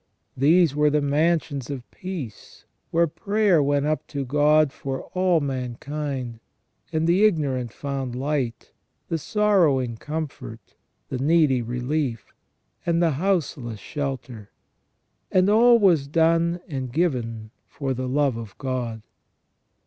These were the mansions of peace, where prayer went up to God for all man kind, and the ignorant found light, the sorrowing comfort, the needy relief, and the houseless shelter; and all was done and given for the love of God.